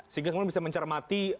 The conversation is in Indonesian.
sehingga kemudian bisa mencermati